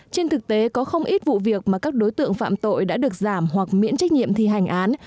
trên thực tế có không ít vụ việc mà các đối tượng phạm tội đã được giảm hoặc miễn trách nhiệm thi hành án